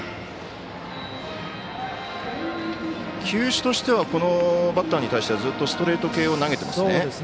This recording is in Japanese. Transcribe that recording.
球種としてはこのバッターに対してはずっとストレート系を投げてますね。